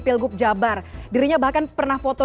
pilgub jabar dirinya bahkan pernah foto